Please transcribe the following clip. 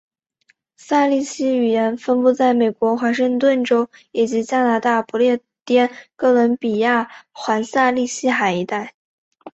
萨利希语言分布在美国华盛顿州以及加拿大不列颠哥伦比亚环萨利希海一带。